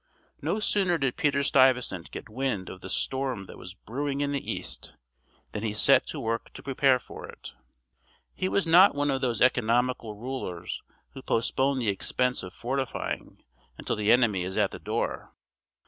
No sooner did Peter Stuyvesant get wind of the storm that was brewing in the east, than he set to work to prepare for it. He was not one of those economical rulers who postpone the expense of fortifying until the enemy is at the door.